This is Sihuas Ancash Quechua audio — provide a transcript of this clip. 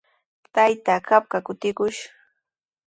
Taytaa kaqpa kutikushaq.